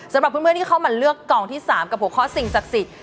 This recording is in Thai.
สำหรับเพื่อนที่เข้ามาเลือกกล่องที่๓กับหัวข้อสิ่งศักดิ์สิทธิ